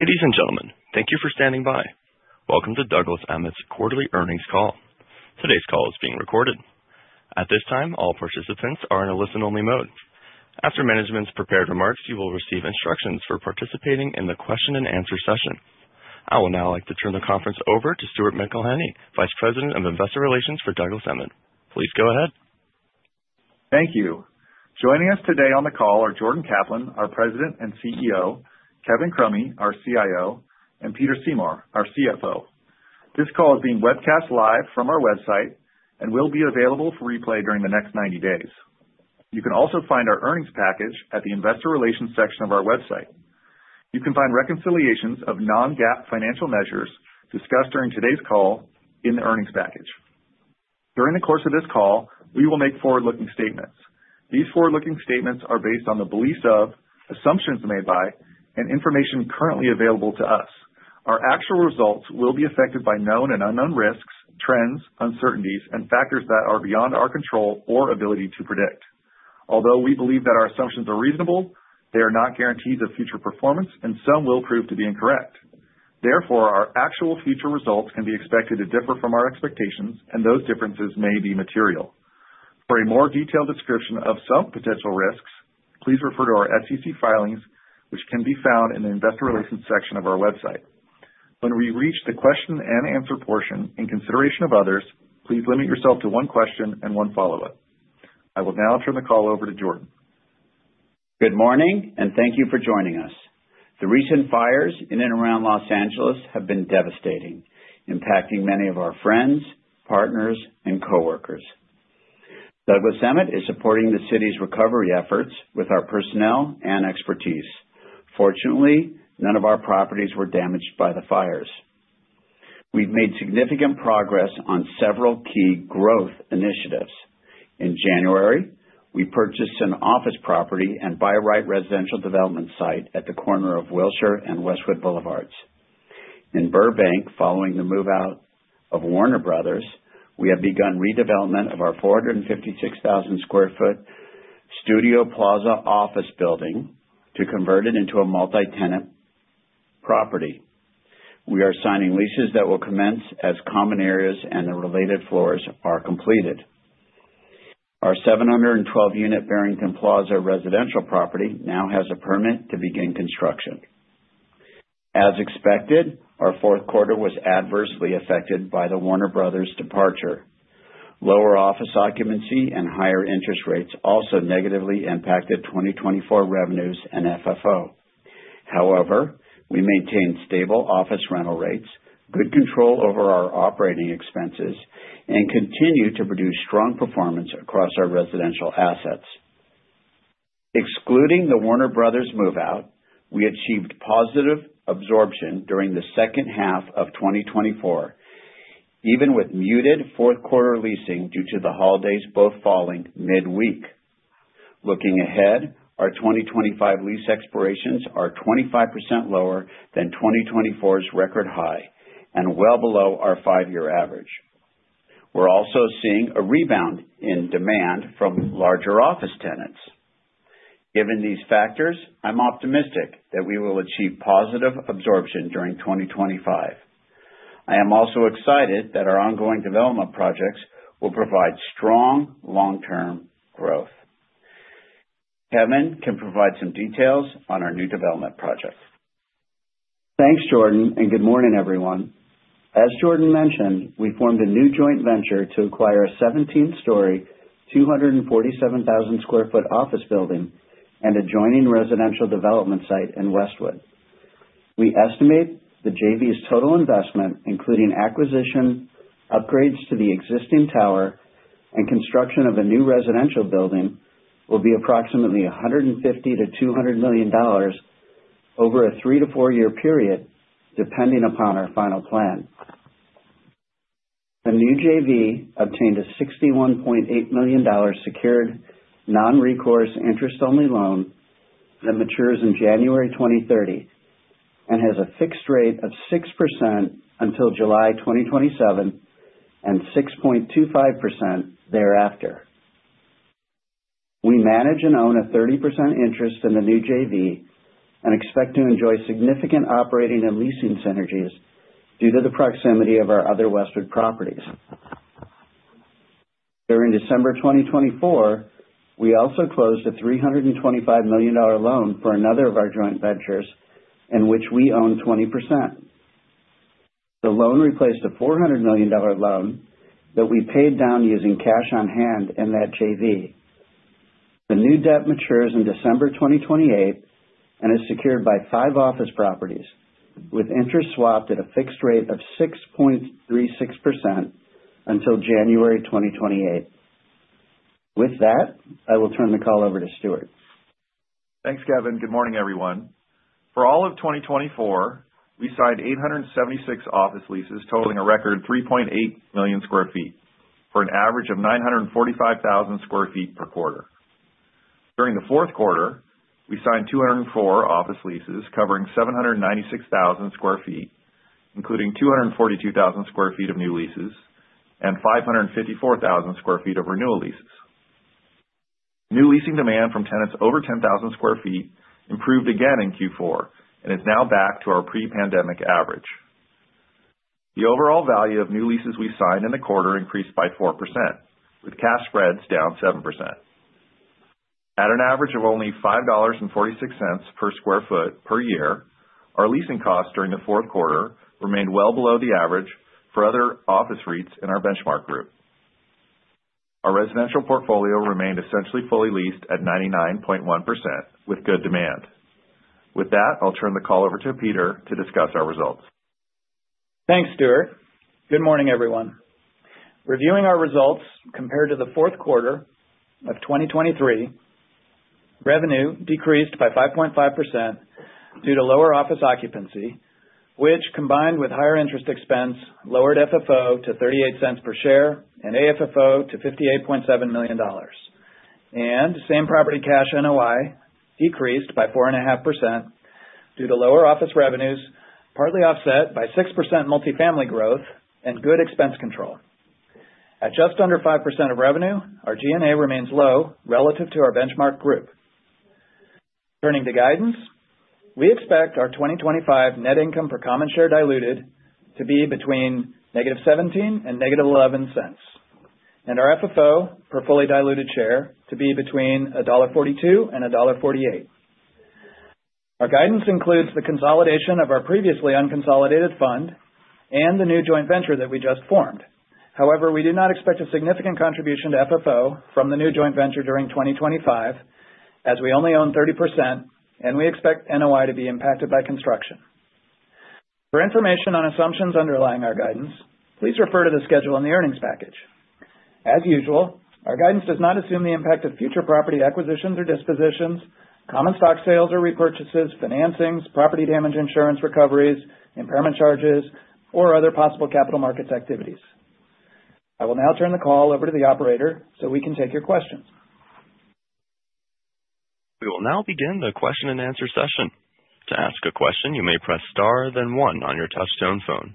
Ladies and gentlemen, thank you for standing by. Welcome to Douglas Emmett's Quarterly Earnings Call. Today's call is being recorded. At this time, all participants are in a listen-only mode. After management's prepared remarks, you will receive instructions for participating in the question-and-answer session. I would now like to turn the conference over to Stuart McElhinney, Vice President of Investor Relations for Douglas Emmett. Please go ahead. Thank you. Joining us today on the call are Jordan Kaplan, our President and CEO, Kevin Crummy, our CIO, and Peter Seymour, our CFO. This call is being webcast live from our website and will be available for replay during the next 90 days. You can also find our earnings package at the Investor Relations section of our website. You can find reconciliations of non-GAAP financial measures discussed during today's call in the earnings package. During the course of this call, we will make forward-looking statements. These forward-looking statements are based on the beliefs of, assumptions made by, and information currently available to us. Our actual results will be affected by known and unknown risks, trends, uncertainties, and factors that are beyond our control or ability to predict. Although we believe that our assumptions are reasonable, they are not guarantees of future performance, and some will prove to be incorrect. Therefore, our actual future results can be expected to differ from our expectations, and those differences may be material. For a more detailed description of some potential risks, please refer to our SEC filings, which can be found in the Investor Relations section of our website. When we reach the question-and-answer portion, in consideration of others, please limit yourself to one question and one follow-up. I will now turn the call over to Jordan. Good morning, and thank you for joining us. The recent fires in and around Los Angeles have been devastating, impacting many of our friends, partners, and coworkers. Douglas Emmett is supporting the city's recovery efforts with our personnel and expertise. Fortunately, none of our properties were damaged by the fires. We've made significant progress on several key growth initiatives. In January, we purchased an office property and by-right residential development site at the corner of Wilshire and Westwood Boulevards. In Burbank, following the move-out of Warner Bros., we have begun redevelopment of our 456,000 sq ft Studio Plaza office building to convert it into a multi-tenant property. We are signing leases that will commence as common areas and the related floors are completed. Our 712-unit Barrington Plaza residential property now has a permit to begin construction. As expected, our Q4 was adversely affected by the Warner Bros. departure. Lower office occupancy and higher interest rates also negatively impacted 2024 revenues and FFO. However, we maintain stable office rental rates, good control over our operating expenses, and continue to produce strong performance across our residential assets. Excluding the Warner Bros. move-out, we achieved positive absorption during the second half of 2024, even with muted Q4 leasing due to the holidays both falling midweek. Looking ahead, our 2025 lease expirations are 25% lower than 2024's record high and well below our five-year average. We're also seeing a rebound in demand from larger office tenants. Given these factors, I'm optimistic that we will achieve positive absorption during 2025. I am also excited that our ongoing development projects will provide strong long-term growth. Kevin can provide some details on our new development project. Thanks, Jordan, and good morning, everyone. As Jordan mentioned, we formed a new joint venture to acquire a 17-story, 247,000 sq ft office building and adjoining residential development site in Westwood. We estimate the JV's total investment, including acquisition, upgrades to the existing tower, and construction of a new residential building, will be approximately $150 to 200 million over a three-to-four year period, depending upon our final plan. The new JV obtained a $61.8 million secured non-recourse interest-only loan that matures in January 2030 and has a fixed rate of 6% until July 2027 and 6.25% thereafter. We manage and own a 30% interest in the new JV and expect to enjoy significant operating and leasing synergies due to the proximity of our other Westwood properties. During December 2024, we also closed a $325 million loan for another of our joint ventures, in which we own 20%. The loan replaced a $400 million loan that we paid down using cash on hand in that JV. The new debt matures in December 2028 and is secured by five office properties, with interest swapped at a fixed rate of 6.36% until January 2028. With that, I will turn the call over to Stuart. Thanks, Kevin. Good morning, everyone. For all of 2024, we signed 876 office leases totaling a record 3.8 million sq ft for an average of 945,000 sq ft per quarter. During the Q4, we signed 204 office leases covering 796,000 sq ft, including 242,000 sq ft of new leases and 554,000 sq ft of renewal leases. New leasing demand from tenants over 10,000 sq ft improved again in Q4 and is now back to our pre-pandemic average. The overall value of new leases we signed in the quarter increased by 4%, with cash spreads down 7%. At an average of only $5.46 per sq ft per year, our leasing costs during the Q4 remained well below the average for other office rates in our benchmark group. Our residential portfolio remained essentially fully leased at 99.1%, with good demand. With that, I'll turn the call over to Peter to discuss our results. Thanks, Stuart. Good morning, everyone. Reviewing our results compared to the Q4 of 2023, revenue decreased by 5.5% due to lower office occupancy, which, combined with higher interest expense, lowered FFO to $0.38 per share and AFFO to $58.7 million, and same property cash NOI decreased by 4.5% due to lower office revenues, partly offset by 6% multifamily growth and good expense control. At just under 5% of revenue, our G&A remains low relative to our benchmark group. Turning to guidance, we expect our 2025 net income per common share diluted to be between -$0.17 and -$0.11, and our FFO per fully diluted share to be between $1.42 and $1.48. Our guidance includes the consolidation of our previously unconsolidated fund and the new joint venture that we just formed. However, we do not expect a significant contribution to FFO from the new joint venture during 2025, as we only own 30%, and we expect NOI to be impacted by construction. For information on assumptions underlying our guidance, please refer to the schedule in the earnings package. As usual, our guidance does not assume the impact of future property acquisitions or dispositions, common stock sales or repurchases, financings, property damage insurance recoveries, impairment charges, or other possible capital markets activities. I will now turn the call over to the operator so we can take your questions. We will now begin the question-and-answer session. To ask a question, you may press star, then one on your touch-tone phone.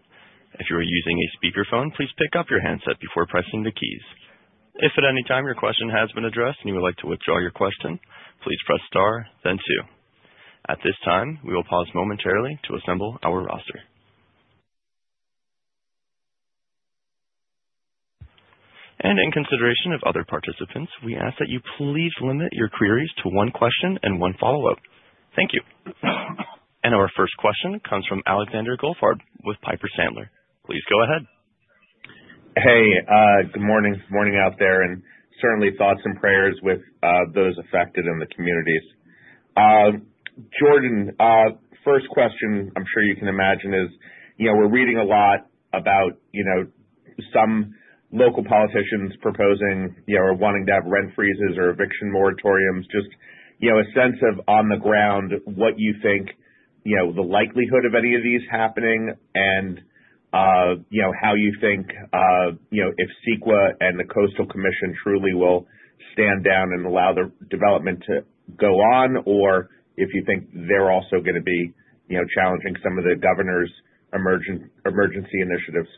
If you are using a speakerphone, please pick up your handset before pressing the keys. If at any time your question has been addressed and you would like to withdraw your question, please press star, then two. At this time, we will pause momentarily to assemble our roster, and in consideration of other participants, we ask that you please limit your queries to one question and one follow-up. Thank you, and our first question comes from Alexander Goldfarb with Piper Sandler. Please go ahead. Hey, good morning. Good morning out there. And certainly thoughts and prayers with those affected in the communities. Jordan, first question, I'm sure you can imagine, is we're reading a lot about some local politicians proposing or wanting to have rent freezes or eviction moratoriums. Just a sense of on the ground, what you think the likelihood of any of these happening and how you think if CEQA and the Coastal Commission truly will stand down and allow the development to go on, or if you think they're also going to be challenging some of the governor's emergency initiatives?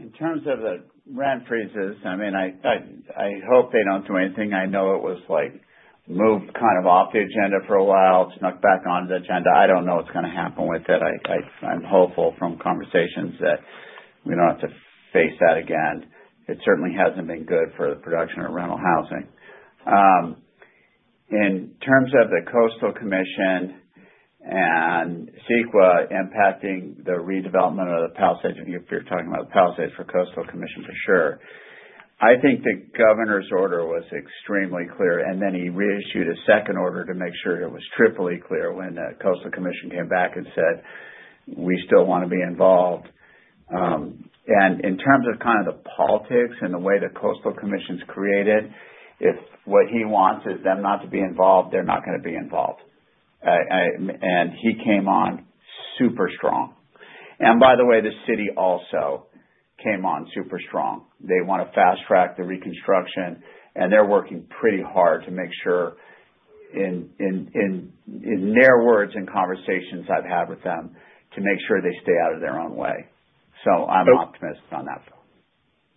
In terms of the rent freezes, I mean, I hope they don't do anything. I know it was moved kind of off the agenda for a while to knock back on the agenda. I don't know what's going to happen with it. I'm hopeful from conversations that we don't have to face that again. It certainly hasn't been good for the production of rental housing. In terms of the Coastal Commission and CEQA impacting the redevelopment of the Palisades, if you're talking about the Palisades for Coastal Commission, for sure, I think the governor's order was extremely clear, and then he reissued a second order to make sure it was triply clear when the Coastal Commission came back and said, "We still want to be involved." And in terms of kind of the politics and the way the Coastal Commission's created, if what he wants is them not to be involved, they're not going to be involved. And he came on super strong. And by the way, the city also came on super strong. They want to fast-track the reconstruction, and they're working pretty hard to make sure, in their words and conversations I've had with them, to make sure they stay out of their own way. So I'm optimistic on that.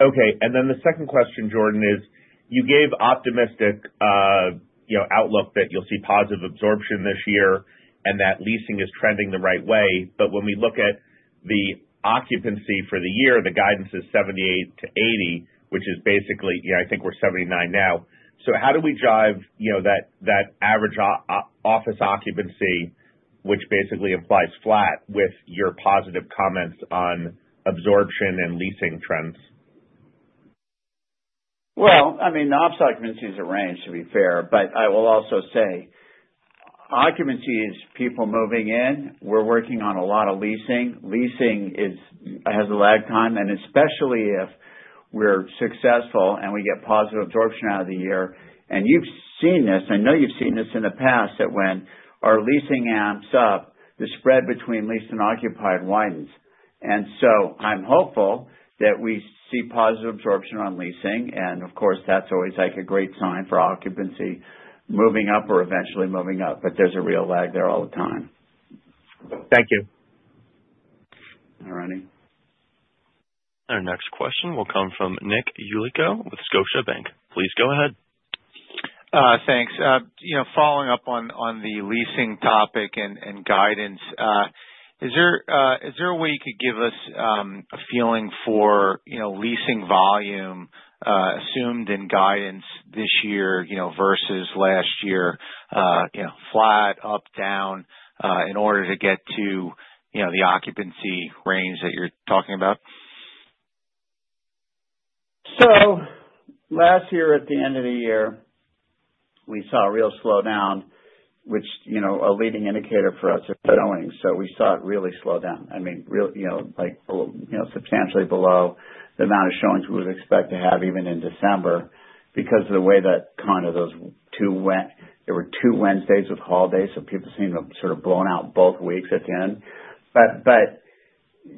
Okay. And then the second question, Jordan, is you gave optimistic outlook that you'll see positive absorption this year and that leasing is trending the right way. But when we look at the occupancy for the year, the guidance is 78 to 80%, which is basically, I think we're 79% now. So how do we jive that average office occupancy, which basically implies flat, with your positive comments on absorption and leasing trends? I mean, the office occupancy is a range, to be fair, but I will also say occupancy is people moving in. We're working on a lot of leasing. Leasing has a lag time, and especially if we're successful and we get positive absorption out of the year, and you've seen this. I know you've seen this in the past that when our leasing ramps up, the spread between leased and occupied widens, and so I'm hopeful that we see positive absorption on leasing, and of course, that's always like a great sign for occupancy moving up or eventually moving up, but there's a real lag there all the time. Thank you. All righty. Our next question will come from Nick Yulico with Scotiabank. Please go ahead. Thanks. Following up on the leasing topic and guidance, is there a way you could give us a feeling for leasing volume assumed in guidance this year versus last year, flat, up, down, in order to get to the occupancy range that you're talking about? So last year, at the end of the year, we saw a real slowdown, which is a leading indicator for us at the earnings. So we saw it really slow down, I mean, substantially below the amount of showings we would expect to have even in December because of the way that kind of those two went. There were two Wednesdays with holidays, so people seemed to have sort of blown out both weeks at the end. So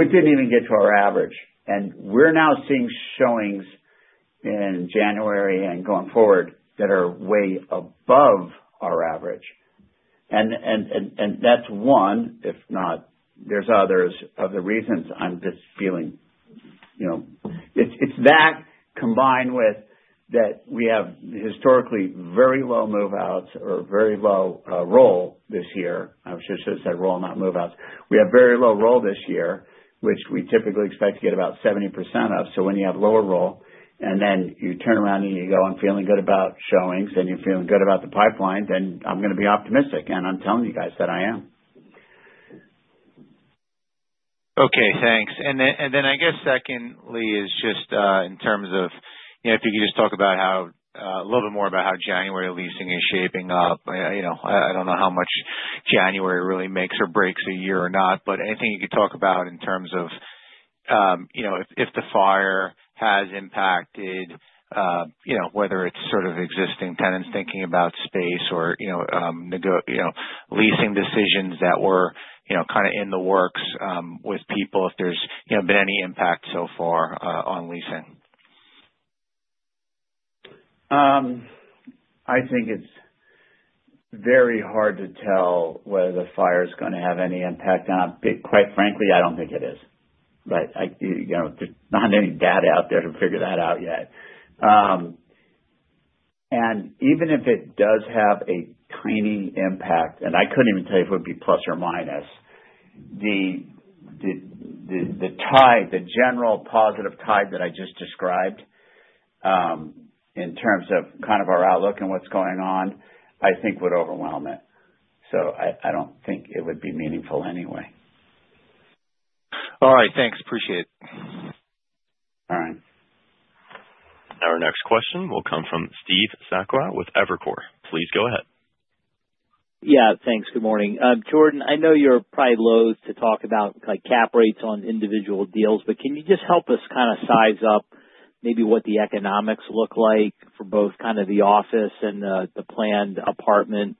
it didn't even get to our average. And we're now seeing showings in January and going forward that are way above our average. And that's one, if not, there's others of the reasons I'm just feeling. It's that combined with that we have historically very low move-outs or very low roll this year. I should have said roll, not move-outs. We have very low roll this year, which we typically expect to get about 70% of. So when you have lower roll, and then you turn around and you go on feeling good about showings, and you're feeling good about the pipeline, then I'm going to be optimistic. And I'm telling you guys that I am. Okay. Thanks. And then I guess secondly is just in terms of if you could just talk about a little bit more about how January leasing is shaping up. I don't know how much January really makes or breaks a year or not, but anything you could talk about in terms of if the fire has impacted, whether it's sort of existing tenants thinking about space or leasing decisions that were kind of in the works with people, if there's been any impact so far on leasing? I think it's very hard to tell whether the fire is going to have any impact on it. Quite frankly, I don't think it is. But there's not any data out there to figure that out yet. And even if it does have a tiny impact, and I couldn't even tell you if it would be plus or minus, the general positive tide that I just described in terms of kind of our outlook and what's going on, I think would overwhelm it. So I don't think it would be meaningful anyway. All right. Thanks. Appreciate it. All right. Our next question will come from Steve Sakwa with Evercore. Please go ahead. Yeah. Thanks. Good morning. Jordan, I know you're probably loath to talk about cap rates on individual deals, but can you just help us kind of size up maybe what the economics look like for both kind of the office and the planned apartment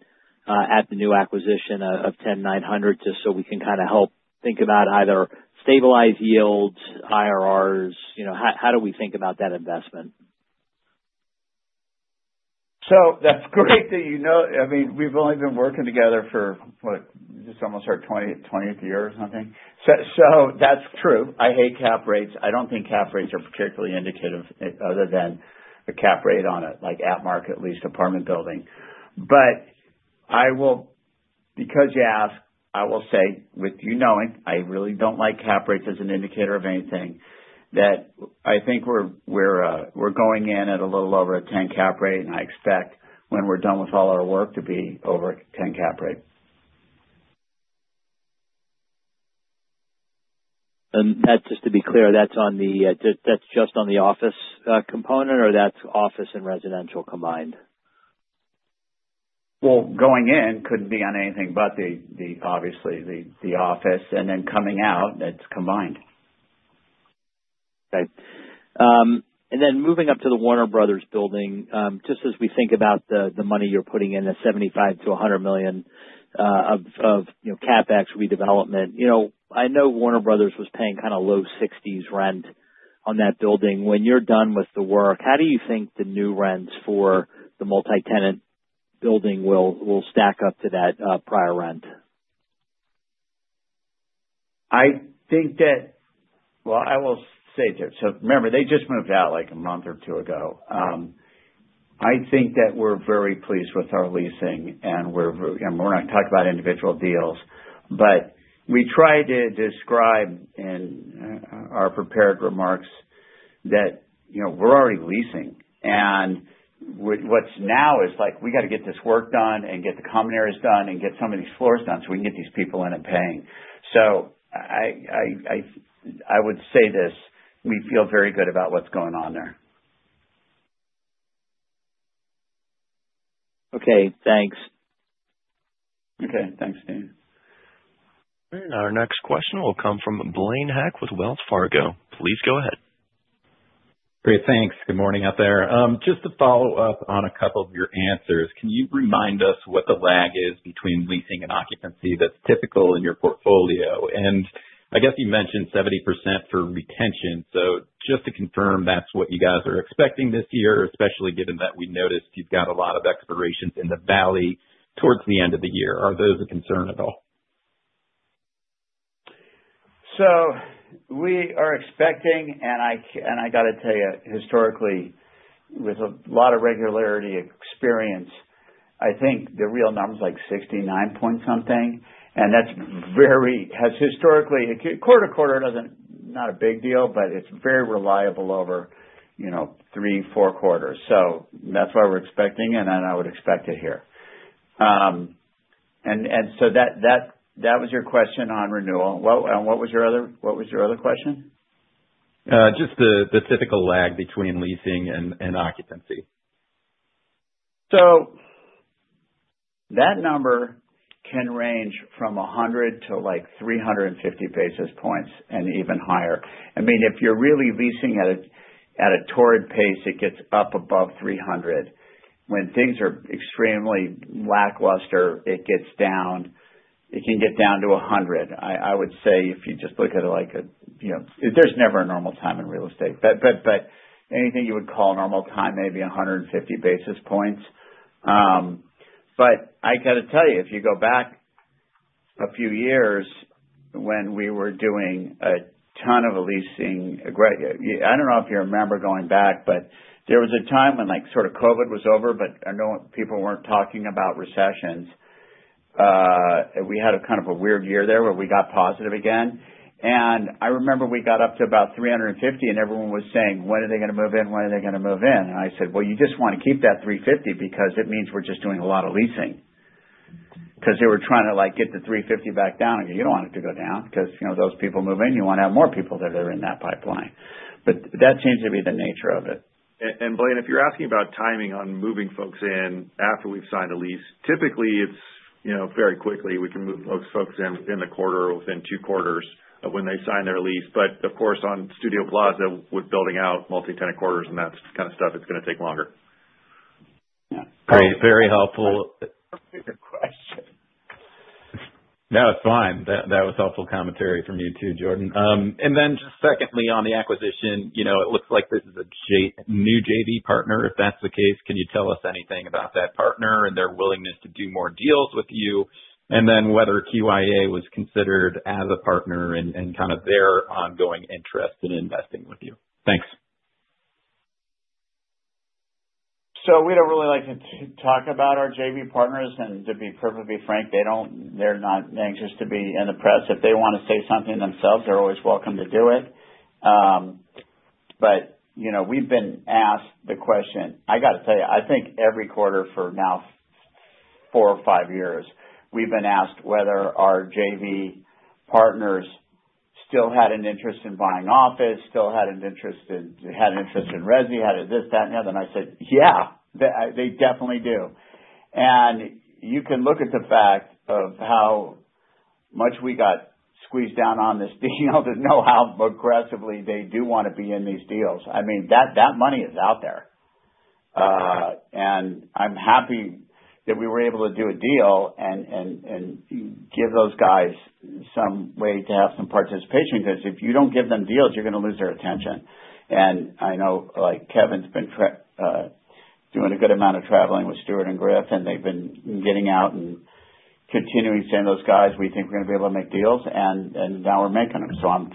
at the new acquisition of 10900 Wilshire, just so we can kind of help think about either stabilized yields, IRRs? How do we think about that investment? That's great, you know. I mean, we've only been working together for, what, just almost our 20th year or something. That's true. I hate cap rates. I don't think cap rates are particularly indicative other than a cap rate on an apartment market, at least apartment building. But because you asked, I will say, with you knowing, I really don't like cap rates as an indicator of anything, that I think we're going in at a little over a 10 cap rate, and I expect when we're done with all our work to be over a 10 cap rate. Just to be clear, that's just on the office component, or that's office and residential combined? Going in couldn't be on anything but obviously the office. And then coming out, it's combined. Okay. And then moving up to the Warner Bros. building, just as we think about the money you're putting in, the $75 to 100 million of CapEx redevelopment, I know Warner Bros. was paying kind of low 60s rent on that building. When you're done with the work, how do you think the new rents for the multi-tenant building will stack up to that prior rent? I think that, well, I will say to you, so remember, they just moved out like a month or two ago. I think that we're very pleased with our leasing, and we're not talking about individual deals, but we tried to describe in our prepared remarks that we're already leasing, and what's now is we got to get this work done and get the common areas done and get some of these floors done so we can get these people in and paying, so I would say this, we feel very good about what's going on there. Okay. Thanks. Okay. Thanks, Steve. Our next question will come from Blaine Heck with Wells Fargo. Please go ahead. Great. Thanks. Good morning out there. Just to follow up on a couple of your answers, can you remind us what the lag is between leasing and occupancy that's typical in your portfolio? And I guess you mentioned 70% for retention. So just to confirm, that's what you guys are expecting this year, especially given that we noticed you've got a lot of expirations in the valley towards the end of the year. Are those a concern at all? We are expecting, and I got to tell you, historically, with a lot of regularity experience, I think the real number is like 69 point something%. And that's very historically, quarter to quarter doesn't mean a big deal, but it's very reliable over three, four quarters. So that's why we're expecting, and I would expect it here. And so that was your question on renewal. What was your other question? Just the typical lag between leasing and occupancy. So that number can range from 100 to like 350 basis points and even higher. I mean, if you're really leasing at a torrid pace, it gets up above 300. When things are extremely lackluster, it gets down. It can get down to 100. I would say if you just look at it like, there's never a normal time in real estate. But anything you would call a normal time, maybe 150 basis points. But I got to tell you, if you go back a few years when we were doing a ton of leasing, I don't know if you remember going back, but there was a time when sort of COVID was over, but I know people weren't talking about recessions. We had kind of a weird year there where we got positive again. I remember we got up to about 350, and everyone was saying, "When are they going to move in? When are they going to move in?" And I said, "Well, you just want to keep that 350 because it means we're just doing a lot of leasing." Because they were trying to get the 350 back down. You don't want it to go down because those people move in, you want to have more people that are in that pipeline. But that seems to be the nature of it. Blaine, if you're asking about timing on moving folks in after we've signed a lease, typically it's very quickly. We can move folks in a quarter or within two quarters when they sign their lease. Of course, on Studio Plaza, with building out multi-tenant quarters, and that's the kind of stuff that's going to take longer. Great. Very helpful. That was fine. That was helpful commentary from you too, Jordan, and then secondly, on the acquisition, it looks like this is a new JV partner. If that's the case, can you tell us anything about that partner and their willingness to do more deals with you, and then whether QIA was considered as a partner and kind of their ongoing interest in investing with you. Thanks. We don't really like to talk about our JV partners. And to be perfectly frank, they're not anxious to be in the press. If they want to say something themselves, they're always welcome to do it. But we've been asked the question. I got to tell you, I think every quarter for now four or five years, we've been asked whether our JV partners still had an interest in buying office, still had an interest in resi, had this, that, and the other. And I said, "Yeah, they definitely do." And you can look at the fact of how much we got squeezed down on this deal to know how aggressively they do want to be in these deals. I mean, that money is out there. And I'm happy that we were able to do a deal and give those guys some way to have some participation because if you don't give them deals, you're going to lose their attention. And I know Kevin's been doing a good amount of traveling with Stuart and Griff, and they've been getting out and continuing to send those guys. We think we're going to be able to make deals, and now we're making them. So I'm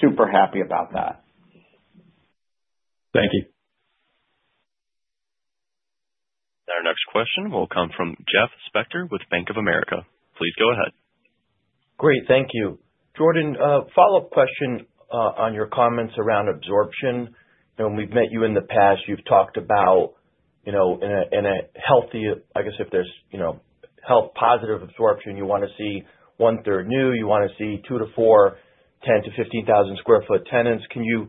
super happy about that. Thank you. Our next question will come from Jeff Specter with Bank of America. Please go ahead. Great. Thank you. Jordan, follow-up question on your comments around absorption. We've met you in the past. You've talked about in a healthy, I guess if there's health-positive absorption, you want to see one-third new, you want to see 2,000 to 4,000, 10,000 to 15,000 sq ft tenants. Can you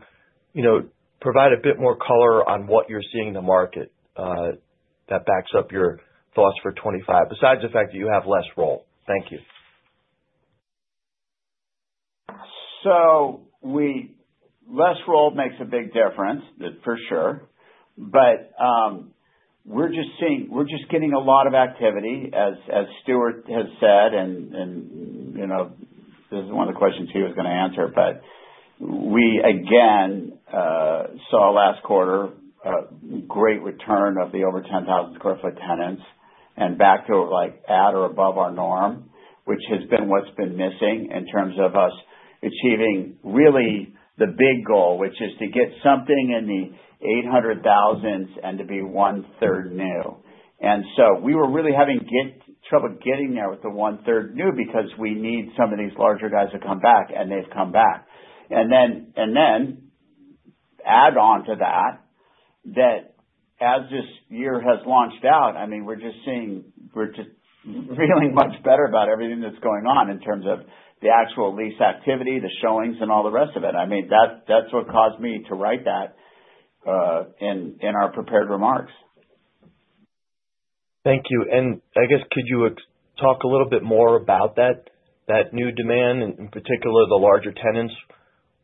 provide a bit more color on what you're seeing in the market that backs up your thoughts for 2025, besides the fact that you have less roll? Thank you. So less roll makes a big difference, for sure. But we're just getting a lot of activity, as Stuart has said. And this is one of the questions he was going to answer. But we, again, saw last quarter a great return of the over 10,000 sq ft tenants and back to at or above our norm, which has been what's been missing in terms of us achieving really the big goal, which is to get something in the 800,000s and to be one-third new. And so we were really having trouble getting there with the one-third new because we need some of these larger guys to come back, and they've come back. And then add on to that that as this year has launched out, I mean, we're just feeling much better about everything that's going on in terms of the actual lease activity, the showings, and all the rest of it. I mean, that's what caused me to write that in our prepared remarks. Thank you. And I guess, could you talk a little bit more about that new demand, in particular the larger tenants,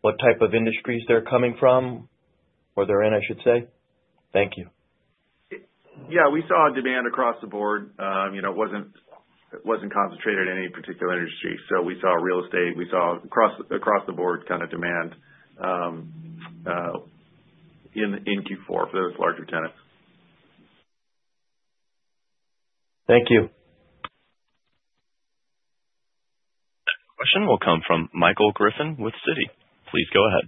what type of industries they're coming from, where they're in, I should say? Thank you. Yeah. We saw demand across the board. It wasn't concentrated in any particular industry. So we saw real estate. We saw across the board kind of demand in Q4 for those larger tenants. Thank you. Next question will come from Michael Griffin with Citi. Please go ahead.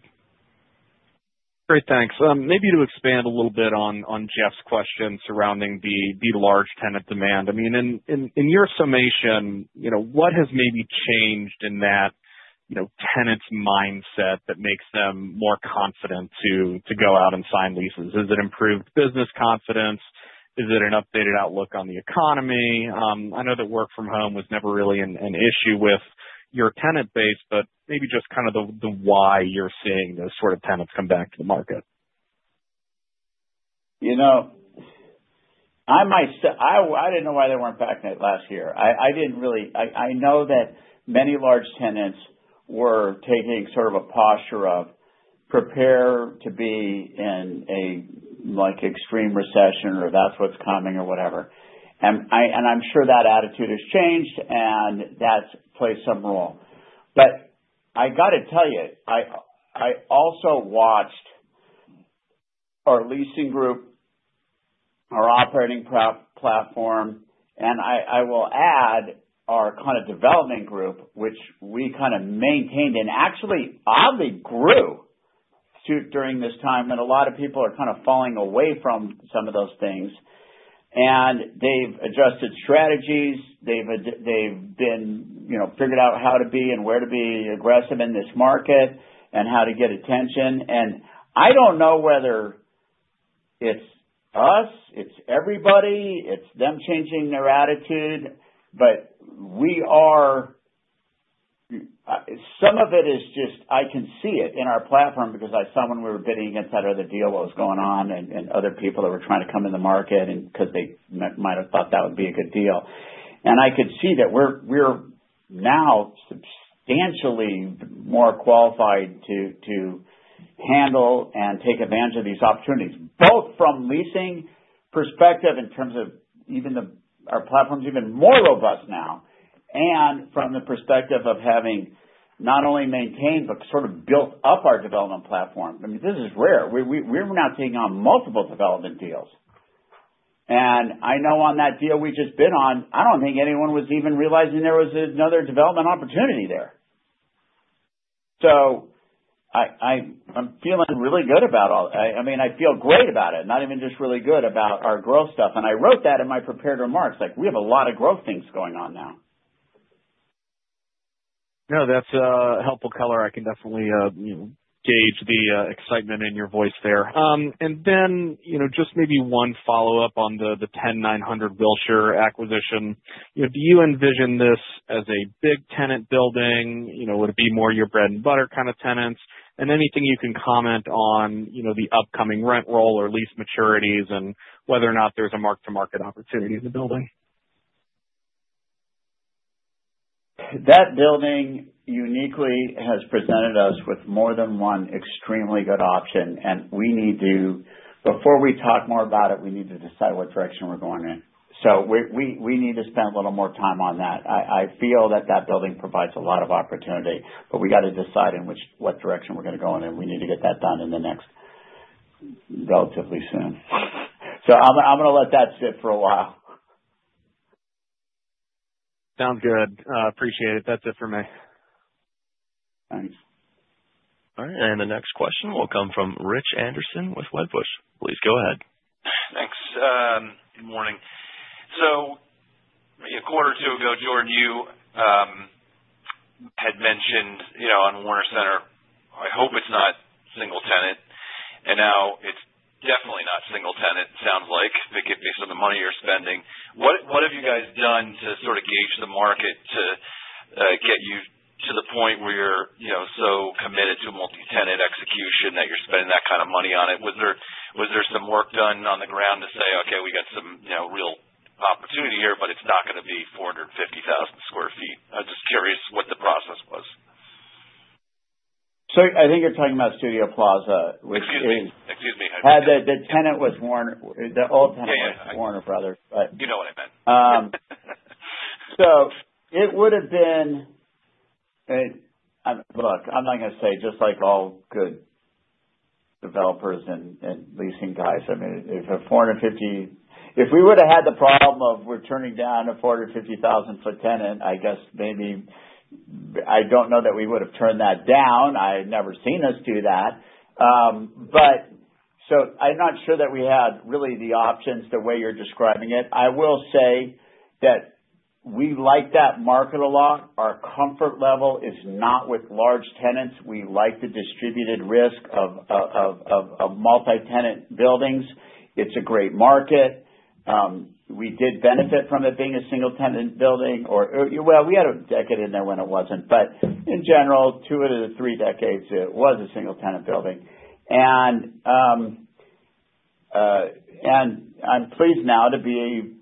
Great. Thanks. Maybe to expand a little bit on Jeff's question surrounding the large tenant demand. I mean, in your summation, what has maybe changed in that tenant's mindset that makes them more confident to go out and sign leases? Is it improved business confidence? Is it an updated outlook on the economy? I know that work from home was never really an issue with your tenant base, but maybe just kind of the why you're seeing those sort of tenants come back to the market. I didn't know why they weren't backing it last year. I know that many large tenants were taking sort of a posture of prepare to be in an extreme recession or that's what's coming or whatever. And I'm sure that attitude has changed, and that's played some role. But I got to tell you, I also watched our leasing group, our operating platform, and I will add our kind of development group, which we kind of maintained, and actually, oddly, grew during this time. And a lot of people are kind of falling away from some of those things. And they've adjusted strategies. They've figured out how to be and where to be aggressive in this market and how to get attention. And I don't know whether it's us, it's everybody, it's them changing their attitude, but some of it is just I can see it in our platform because I saw when we were bidding against that other deal that was going on and other people that were trying to come in the market because they might have thought that would be a good deal. And I could see that we're now substantially more qualified to handle and take advantage of these opportunities, both from leasing perspective in terms of our platform's even more robust now, and from the perspective of having not only maintained but sort of built up our development platform. I mean, this is rare. We're now taking on multiple development deals. And I know on that deal we've just been on, I don't think anyone was even realizing there was another development opportunity there. So, I'm feeling really good about all. I mean, I feel great about it, not even just really good about our growth stuff. And I wrote that in my prepared remarks. We have a lot of growth things going on now. Yeah. That's a helpful color. I can definitely gauge the excitement in your voice there. And then just maybe one follow-up on the 10900 Wilshire acquisition. Do you envision this as a big tenant building? Would it be more your bread and butter kind of tenants? And anything you can comment on the upcoming rent roll or lease maturities and whether or not there's a mark-to-market opportunity in the building? That building uniquely has presented us with more than one extremely good option, and before we talk more about it, we need to decide what direction we're going in, so we need to spend a little more time on that. I feel that that building provides a lot of opportunity, but we got to decide in what direction we're going to go in, and we need to get that done in the next relatively soon, so I'm going to let that sit for a while. Sounds good. Appreciate it. That's it for me. Thanks. All right. And the next question will come from Rich Anderson with Wedbush. Please go ahead. Thanks. Good morning. So a quarter or two ago, Jordan, you had mentioned on Warner Center, "I hope it's not single tenant." And now it's definitely not single tenant, sounds like, for the money you're spending. What have you guys done to sort of gauge the market to get you to the point where you're so committed to multi-tenant execution that you're spending that kind of money on it? Was there some work done on the ground to say, "Okay, we got some real opportunity here, but it's not going to be 450,000 sq ft"? I'm just curious what the process was. So I think you're talking about Studio Plaza, which. Excuse me. Excuse me. The tenant was Warner, the old tenant was Warner Bros. You know what I meant. So, it would have been. Look, I'm not going to say just like all good developers and leasing guys. I mean, if we would have had the problem of we're turning down a 450,000 sq ft tenant, I guess maybe I don't know that we would have turned that down. I had never seen us do that. So I'm not sure that we had really the options the way you're describing it. I will say that we like that market a lot. Our comfort level is not with large tenants. We like the distributed risk of multi-tenant buildings. It's a great market. We did benefit from it being a single-tenant building. Well, we had a decade in there when it wasn't. But in general, two out of the three decades, it was a single-tenant building. I'm pleased now to be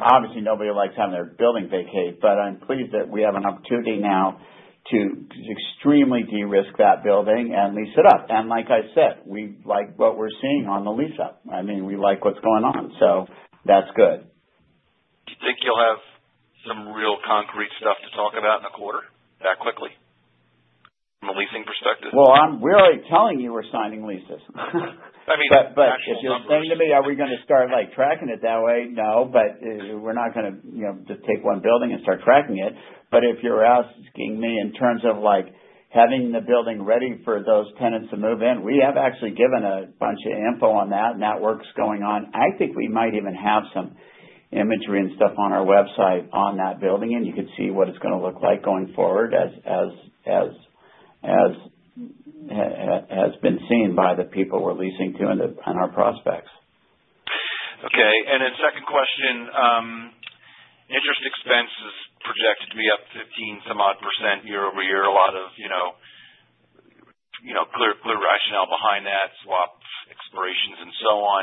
obviously, nobody likes having their building vacate, but I'm pleased that we have an opportunity now to extremely de-risk that building and lease it up. Like I said, we like what we're seeing on the lease up. I mean, we like what's going on. That's good. Think you'll have some real concrete stuff to talk about in a quarter that quickly from a leasing perspective? I'm really telling you we're signing leases. But if you'll say to me, "Are we going to start tracking it that way?" No, but we're not going to just take one building and start tracking it. But if you're asking me in terms of having the building ready for those tenants to move in, we have actually given a bunch of info on that and that work's going on. I think we might even have some imagery and stuff on our website on that building, and you could see what it's going to look like going forward as has been seen by the people we're leasing to and our prospects. Okay. And then second question, interest expense was projected to be up 15-some-odd% year over year. A lot of clear rationale behind that, swaps, expirations, and so on.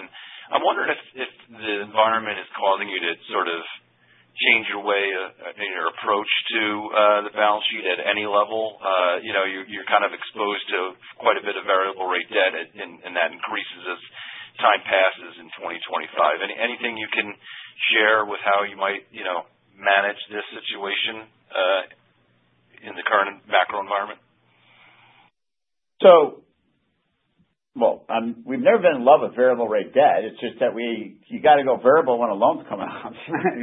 I'm wondering if the environment is causing you to sort of change your way of your approach to the balance sheet at any level. You're kind of exposed to quite a bit of variable rate debt, and that increases as time passes in 2025. Anything you can share with how you might manage this situation in the current macro environment? Well, we've never been in love with variable rate debt. It's just that you got to go variable when a loan's coming out,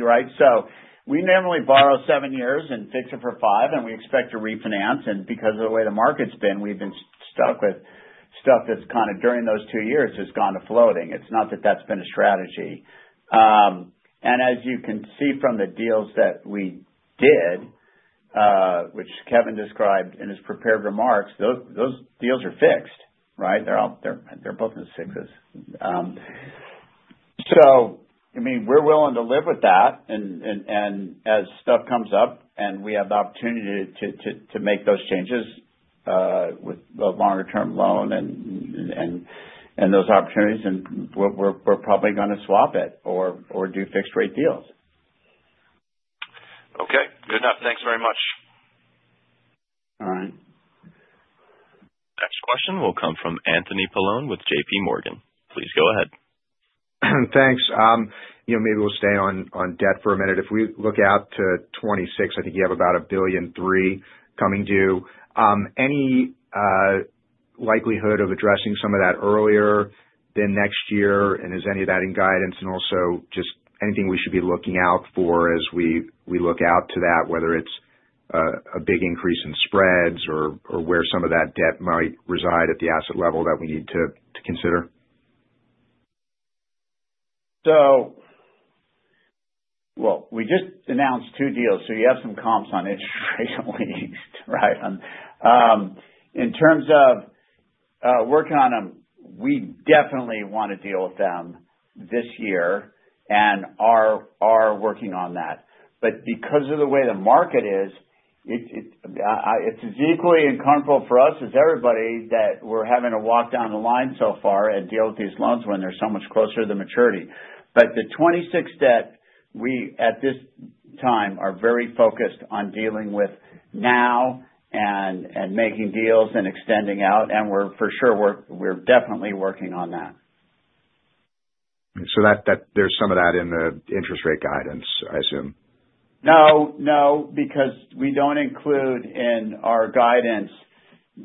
right? So we normally borrow seven years and fix it for five, and we expect to refinance. And because of the way the market's been, we've been stuck with stuff that's kind of during those two years has gone to floating. It's not that that's been a strategy. And as you can see from the deals that we did, which Kevin described in his prepared remarks, those deals are fixed, right? They're both in the sixes. So I mean, we're willing to live with that. And as stuff comes up and we have the opportunity to make those changes with the longer-term loan and those opportunities, we're probably going to swap it or do fixed-rate deals. Okay. Good enough. Thanks very much. All right. Next question will come from Anthony Paolone with JPMorgan. Please go ahead. Thanks. Maybe we'll stay on debt for a minute. If we look out to 2026, I think you have about $1.3 billion coming due. Any likelihood of addressing some of that earlier than next year? And is any of that in guidance? And also just anything we should be looking out for as we look out to that, whether it's a big increase in spreads or where some of that debt might reside at the asset level that we need to consider? We just announced two deals. So you have some comps on interest rate on lease, right? In terms of working on them, we definitely want to deal with them this year and are working on that. But because of the way the market is, it's as equally uncomfortable for us as everybody that we're having to walk down the line so far and deal with these loans when they're so much closer to the maturity. But the 2026 debt, we at this time are very focused on dealing with now and making deals and extending out. And for sure, we're definitely working on that. So there's some of that in the interest rate guidance, I assume. No. No, because we don't include in our guidance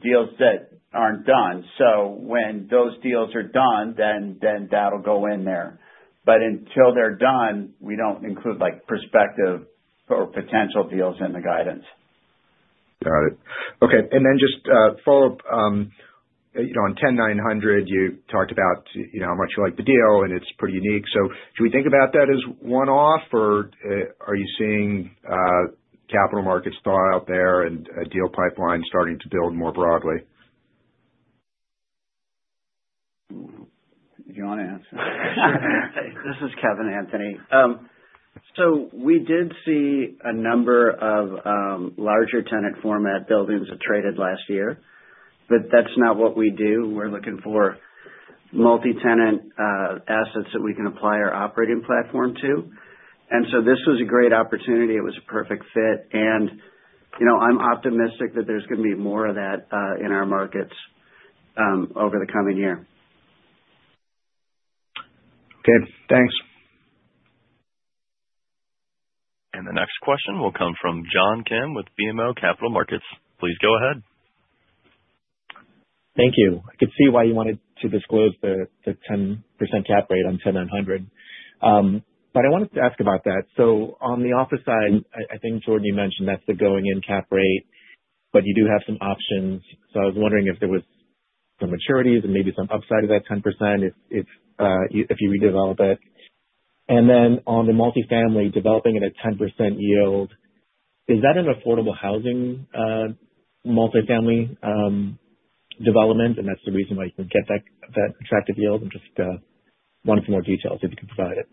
deals that aren't done. So when those deals are done, then that'll go in there. But until they're done, we don't include prospective or potential deals in the guidance. Got it. Okay. And then just follow-up. On 10900 Wilshire, you talked about how much you like the deal, and it's pretty unique. So should we think about that as one-off, or are you seeing capital markets thaw out there and a deal pipeline starting to build more broadly? You want to answer. This is Kevin, Anthony. So we did see a number of larger tenant format buildings that traded last year, but that's not what we do. We're looking for multi-tenant assets that we can apply our operating platform to. And so this was a great opportunity. It was a perfect fit. And I'm optimistic that there's going to be more of that in our markets over the coming year. Good. Thanks. The next question will come from John Kim with BMO Capital Markets. Please go ahead. Thank you. I could see why you wanted to disclose the 10% cap rate on 10900. But I wanted to ask about that. So on the office side, I think Jordan you mentioned that's the going-in cap rate, but you do have some options. So I was wondering if there was some maturities and maybe some upside of that 10% if you redevelop it. And then on the multifamily developing at a 10% yield, is that an affordable housing multifamily development? And that's the reason why you can get that attractive yield. I just wanted some more details if you could provide it.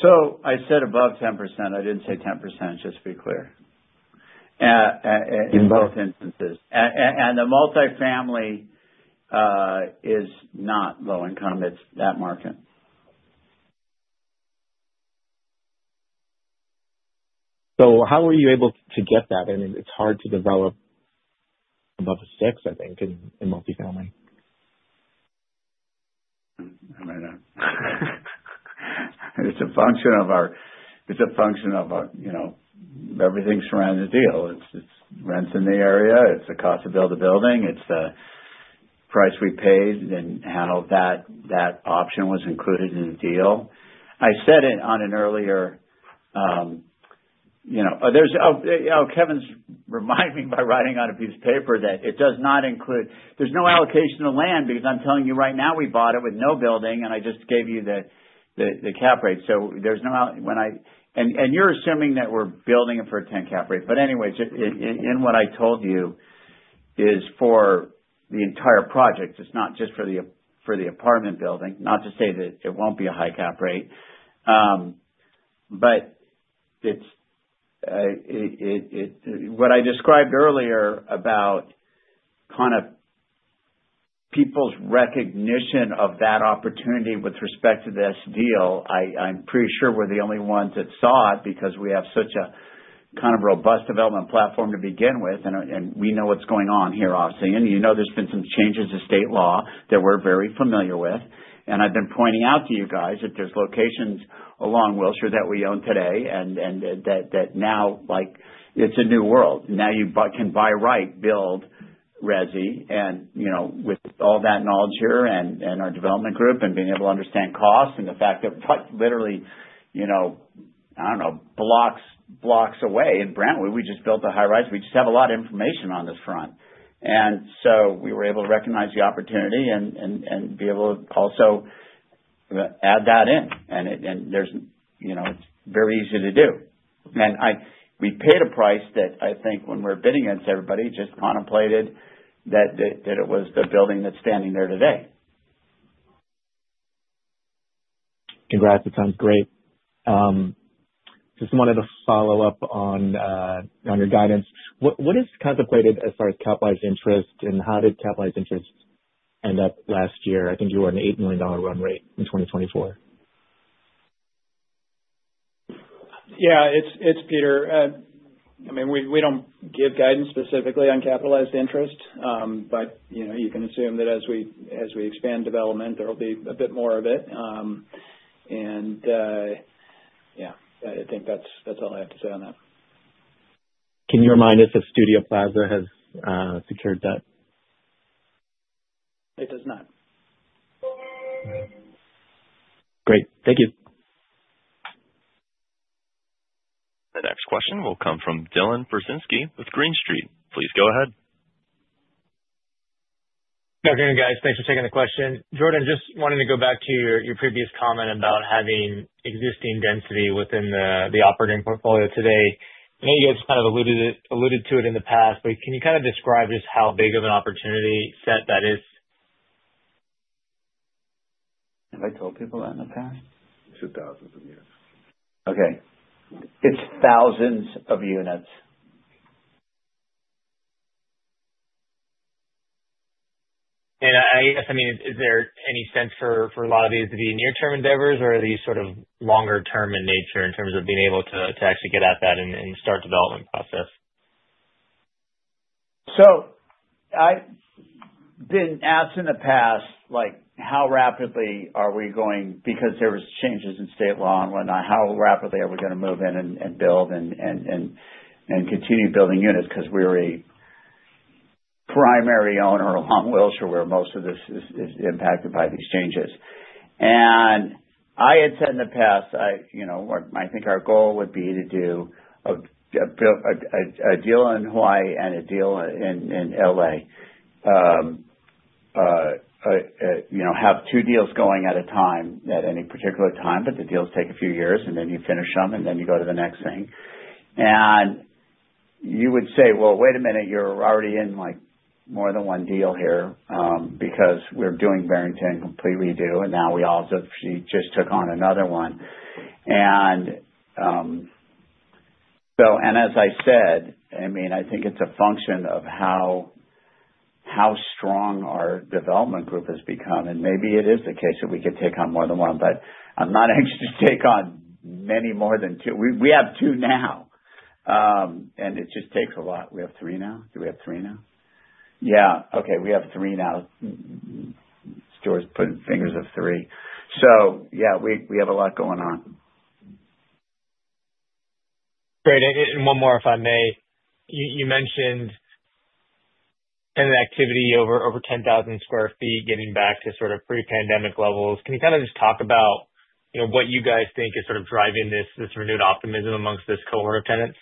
So I said above 10%. I didn't say 10%, just to be clear. In both instances. The multifamily is not low-income. It's that market. So how were you able to get that? I mean, it's hard to develop above a six, I think, in multifamily. I don't know. It's a function of everything surrounding the deal. It's rents in the area. It's the cost to build a building. It's the price we paid and handled that option was included in the deal. I said it earlier. Kevin's reminded me by writing on a piece of paper that it does not include. There's no allocation of land because I'm telling you right now we bought it with no building, and I just gave you the cap rate. So there's no and you're assuming that we're building it for a 10 cap rate. But anyways, in what I told you is for the entire project. It's not just for the apartment building. Not to say that it won't be a high cap rate. But what I described earlier about kind of people's recognition of that opportunity with respect to this deal, I'm pretty sure we're the only ones that saw it because we have such a kind of robust development platform to begin with. And we know what's going on here, obviously. And you know there's been some changes to state law that we're very familiar with. And I've been pointing out to you guys that there's locations along Wilshire that we own today and that now it's a new world. Now you can by-right, build, resi. And with all that knowledge here and our development group and being able to understand costs and the fact that literally, I don't know, blocks away in Brentwood, we just built a high rise. We just have a lot of information on this front. And so we were able to recognize the opportunity and be able to also add that in. And it's very easy to do. And we paid a price that I think when we're bidding against everybody just contemplated that it was the building that's standing there today. Congrats. It sounds great. Just wanted to follow up on your guidance. What is contemplated as far as capitalized interest and how did capitalized interest end up last year? I think you were on an $8 million run rate in 2024. Yeah. It's Peter. I mean, we don't give guidance specifically on capitalized interest, but you can assume that as we expand development, there'll be a bit more of it. And yeah, I think that's all I have to say on that. Can you remind us if Studio Plaza has secured debt? It does not. Great. Thank you. The next question will come from Dylan Burzinski with Green Street. Please go ahead. Okay, guys. Thanks for taking the question. Jordan, just wanted to go back to your previous comment about having existing density within the operating portfolio today. I know you guys kind of alluded to it in the past, but can you kind of describe just how big of an opportunity set that is? Have I told people that in the past? It's thousands of units. Okay. It's thousands of units. I guess, I mean, is there any sense for a lot of these to be near-term endeavors, or are these sort of longer-term in nature in terms of being able to actually get at that and start development process? So I've been asked in the past how rapidly we are going because there were changes in state law and whatnot, how rapidly we are going to move in and build and continue building units because we're a primary owner along Wilshire where most of this is impacted by these changes. And I had said in the past, I think our goal would be to do a deal in Hawaii and a deal in LA, have two deals going at a time at any particular time, but the deals take a few years, and then you finish them, and then you go to the next thing. And you would say, "Well, wait a minute, you're already in more than one deal here because we're doing Barrington complete redo, and now we all just took on another one." And as I said, I mean, I think it's a function of how strong our development group has become. And maybe it is the case that we could take on more than one, but I'm not anxious to take on many more than two. We have two now, and it just takes a lot. We have three now. Do we have three now? Yeah. Okay. We have three now. Stuart's putting up three fingers. So yeah, we have a lot going on. Great. And one more if I may. You mentioned an activity over 10,000 sq ft getting back to sort of pre-pandemic levels. Can you kind of just talk about what you guys think is sort of driving this renewed optimism amongst this cohort of tenants?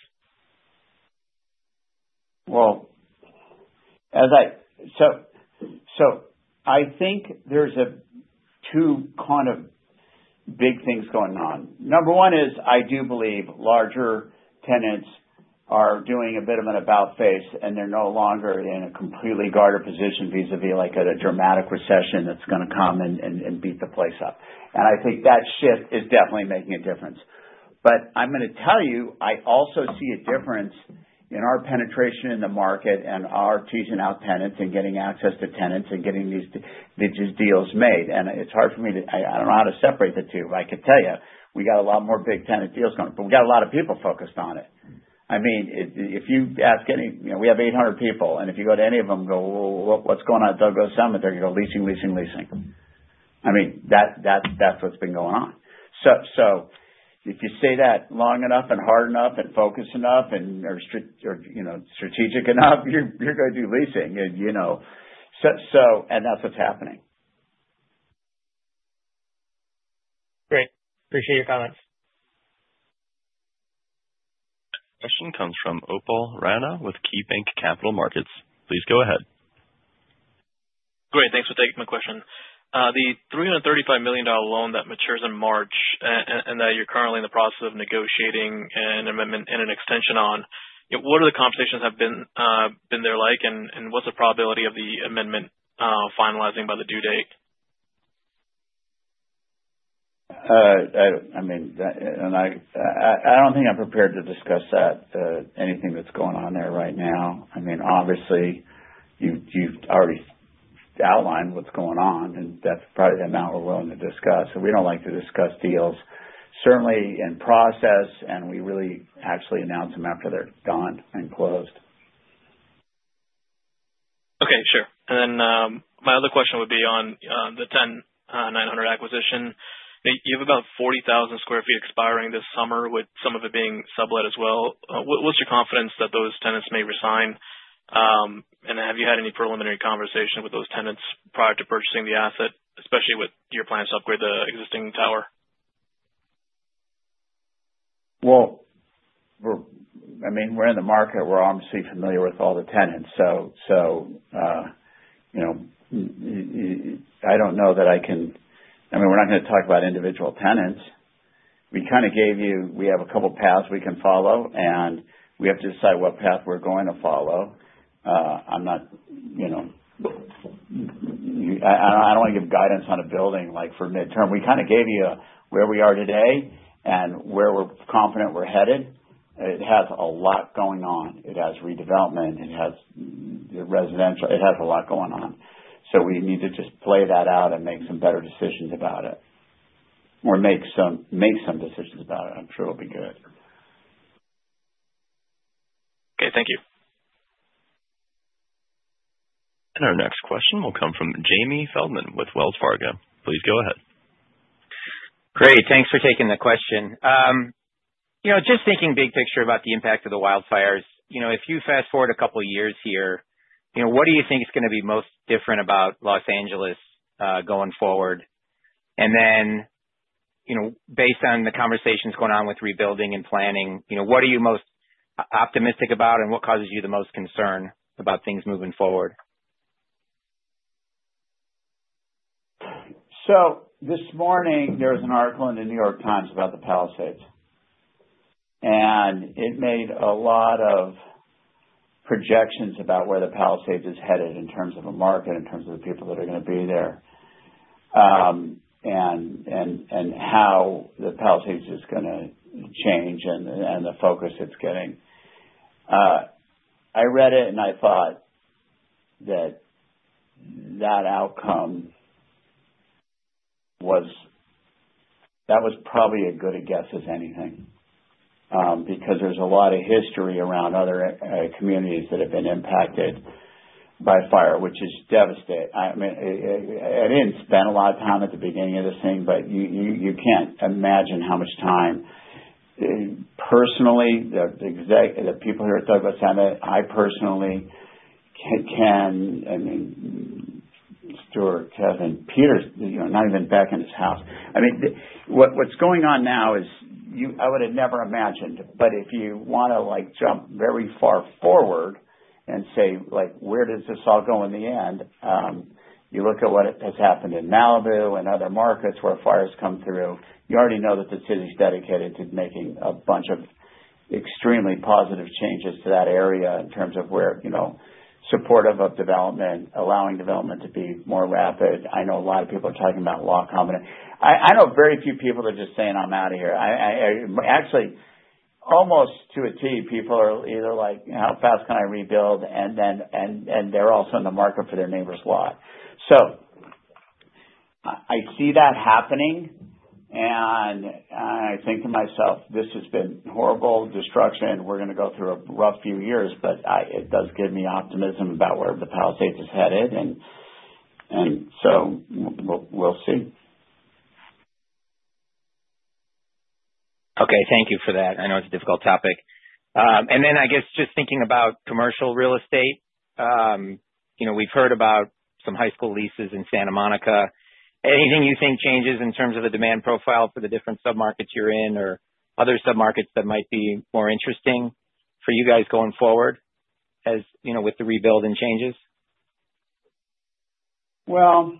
Well, so I think there's two kind of big things going on. Number one is I do believe larger tenants are doing a bit of an about-face, and they're no longer in a completely guarded position vis-à-vis like a dramatic recession that's going to come and beat the place up. And I think that shift is definitely making a difference. But I'm going to tell you, I also see a difference in our penetration in the market and our teasing out tenants and getting access to tenants and getting these deals made. And it's hard for me. I don't know how to separate the two, but I can tell you, we got a lot more big tenant deals going. But we got a lot of people focused on it. I mean, if you ask any we have 800 people, and if you go to any of them and go, "What's going on at Douglas Emmett?" They're going to go leasing, leasing, leasing. I mean, that's what's been going on. So if you stay that long enough and hard enough and focused enough and are strategic enough, you're going to do leasing. And that's what's happening. Great. Appreciate your comments. Question comes from Upal Rana with KeyBanc Capital Markets. Please go ahead. Great. Thanks for taking my question. The $335 million loan that matures in March and that you're currently in the process of negotiating an amendment and an extension on, what have the conversations been like there, and what's the probability of the amendment finalizing by the due date? I mean, I don't think I'm prepared to discuss that, anything that's going on there right now. I mean, obviously, you've already outlined what's going on, and that's probably the amount we're willing to discuss. So we don't like to discuss deals, certainly in process, and we really actually announce them after they're done and closed. Okay. Sure. And then my other question would be on the 10900 acquisition. You have about 40,000 sq ft expiring this summer, with some of it being sublet as well. What's your confidence that those tenants may re-sign? And have you had any preliminary conversation with those tenants prior to purchasing the asset, especially with your plans to upgrade the existing tower? Well, I mean, we're in the market. We're obviously familiar with all the tenants. So I don't know that I can I mean, we're not going to talk about individual tenants. We kind of gave you we have a couple of paths we can follow, and we have to decide what path we're going to follow. I don't want to give guidance on a building for midterm. We kind of gave you where we are today and where we're confident we're headed. It has a lot going on. It has redevelopment. It has residential. It has a lot going on. So we need to just play that out and make some better decisions about it or make some decisions about it. I'm sure it'll be good. Okay. Thank you. Our next question will come from Jamie Feldman with Wells Fargo. Please go ahead. Great. Thanks for taking the question. Just thinking big picture about the impact of the wildfires, if you fast forward a couple of years here, what do you think is going to be most different about Los Angeles going forward? And then based on the conversations going on with rebuilding and planning, what are you most optimistic about, and what causes you the most concern about things moving forward? So this morning, there was an article in The New York Times about the Palisades. And it made a lot of projections about where the Palisades is headed in terms of a market, in terms of the people that are going to be there, and how the Palisades is going to change and the focus it's getting. I read it, and I thought that that outcome was probably a good guess as anything because there's a lot of history around other communities that have been impacted by fire, which is devastating. I mean, I didn't spend a lot of time at the beginning of this thing, but you can't imagine how much time. Personally, the people here at Douglas Emmett, I personally can. I mean, Stuart, Kevin, Peter, not even back in his house. I mean, what's going on now is I would have never imagined. But if you want to jump very far forward and say, "Where does this all go in the end?" You look at what has happened in Malibu and other markets where fires come through. You already know that the city's dedicated to making a bunch of extremely positive changes to that area in terms of support of development, allowing development to be more rapid. I know a lot of people are talking about leaving. I know very few people that are just saying, "I'm out of here." Actually, almost to a T, people are either like, "How fast can I rebuild?" And they're also in the market for their neighbor's lot. So I see that happening. And I think to myself, "This has been horrible destruction. We're going to go through a rough few years," but it does give me optimism about where the Palisades is headed. And so we'll see. Okay. Thank you for that. I know it's a difficult topic, and then I guess just thinking about commercial real estate, we've heard about some high-profile leases in Santa Monica. Anything you think changes in terms of the demand profile for the different submarkets you're in or other submarkets that might be more interesting for you guys going forward with the rebuild and changes? Well,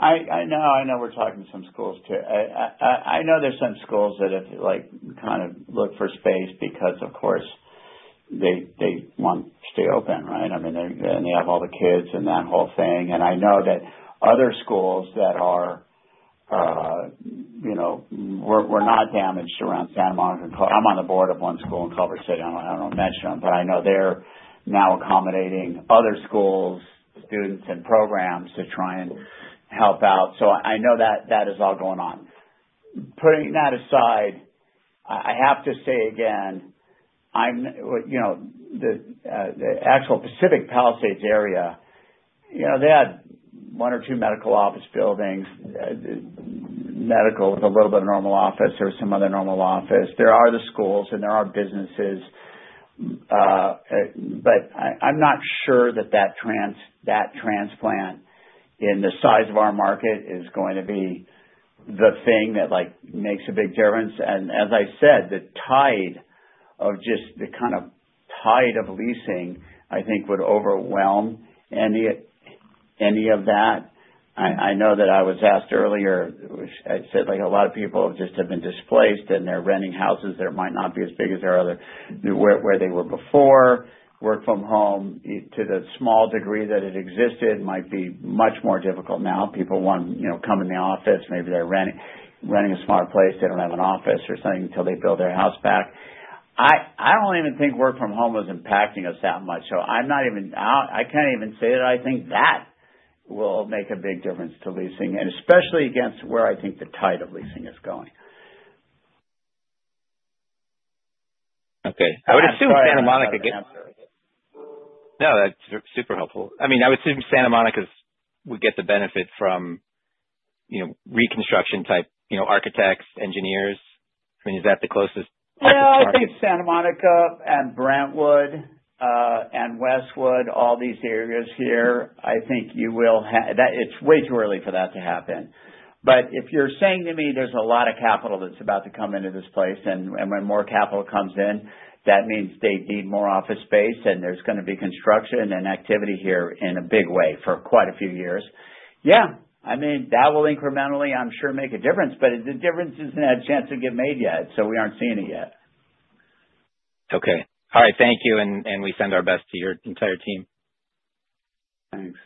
I know we're talking to some schools too. I know there's some schools that kind of look for space because, of course, they want to stay open, right? I mean, they have all the kids and that whole thing, and I know that other schools that were not damaged around Santa Monica. I'm on the board of one school in Culver City. I don't want to mention them, but I know they're now accommodating other schools, students, and programs to try and help out, so I know that is all going on. Putting that aside, I have to say again, the actual Pacific Palisades area, they had one or two medical office buildings, medical with a little bit of normal office. There was some other normal office. There are the schools, and there are businesses. But I'm not sure that that transplant in the size of our market is going to be the thing that makes a big difference. And as I said, the tide of just the kind of tide of leasing, I think, would overwhelm any of that. I know that I was asked earlier. I said a lot of people just have been displaced, and they're renting houses that might not be as big as where they were before. Work from home, to the small degree that it existed, might be much more difficult now. People want to come in the office. Maybe they're renting a smaller place. They don't have an office or something until they build their house back. I don't even think work from home is impacting us that much. So I can't even say that I think that will make a big difference to leasing, and especially against where I think the tide of leasing is going. Okay. I would assume Santa Monica. No, that's super helpful. I mean, I would assume Santa Monica would get the benefit from reconstruction-type architects, engineers. I mean, is that the closest? Yeah. I think Santa Monica and Brentwood and Westwood, all these areas here, I think it is way too early for that to happen. But if you're saying to me there's a lot of capital that's about to come into this place, and when more capital comes in, that means they need more office space, and there's going to be construction and activity here in a big way for quite a few years. Yeah. I mean, that will incrementally, I'm sure, make a difference, but the difference hasn't had a chance to be made yet. So we aren't seeing it yet. Okay. All right. Thank you. And we send our best to your entire team. Thanks.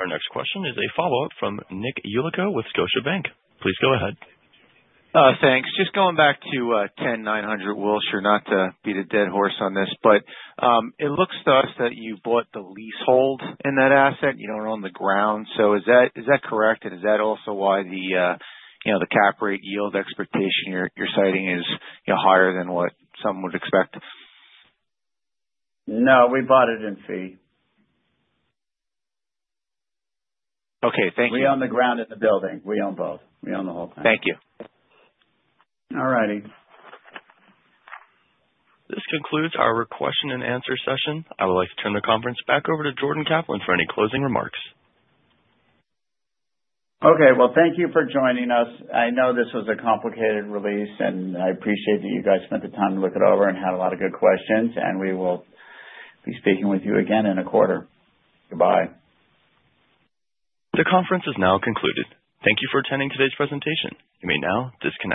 Our next question is a follow-up from Nick Yulico with Scotiabank. Please go ahead. Thanks. Just going back to 10900 Wilshire, we'll sure not beat a dead horse on this, but it looks to us that you bought the leasehold in that asset. You don't own the ground. So is that correct? And is that also why the cap rate yield expectation you're citing is higher than what some would expect? No. We bought it in fee. Okay. Thank you. We own the ground and the building. We own both. We own the whole thing. Thank you. All righty. This concludes our question-and-answer session. I would like to turn the conference back over to Jordan Kaplan for any closing remarks. Okay, well, thank you for joining us. I know this was a complicated release, and I appreciate that you guys spent the time to look it over and had a lot of good questions, and we will be speaking with you again in a quarter. Goodbye. The conference is now concluded. Thank you for attending today's presentation. You may now disconnect.